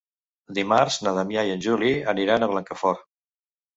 Dimarts na Damià i en Juli aniran a Blancafort.